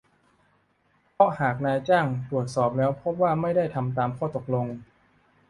เพราะหากนายจ้างตรวจสอบแล้วพบว่าไม่ได้ทำตามข้อตกลง